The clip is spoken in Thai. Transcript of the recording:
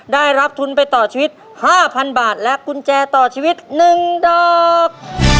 ได้รับทุนไปต่อชีวิต๕๐๐๐บาทและกุญแจต่อชีวิต๑ดอก